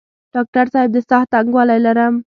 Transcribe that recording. ډاکټر صاحب د ساه تنګوالی لرم؟